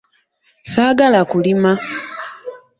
Saagala kulima.